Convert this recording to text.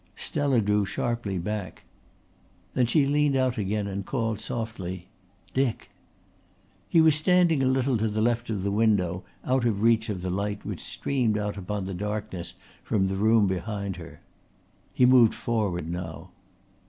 Stella drew sharply back. Then she leaned out again and called softly: "Dick." He was standing a little to the left of the window out of reach of the light which streamed out upon the darkness from the room behind her. He moved forward now.